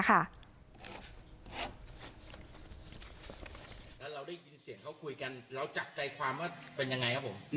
แล้วเราได้ยินเสียงเขาคุยกันเราจับใจความว่าเป็นยังไงครับผม